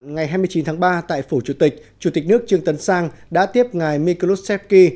ngày hai mươi chín tháng ba tại phủ chủ tịch chủ tịch nước trương tấn sang đã tiếp ngài mikrosky